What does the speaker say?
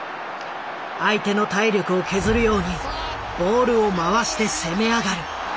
相手の体力を削るようにボールを回して攻め上がる。